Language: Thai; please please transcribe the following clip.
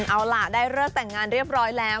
เอาล่ะได้เลิกแต่งงานเรียบร้อยแล้ว